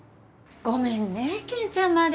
ごめんね健ちゃんまで。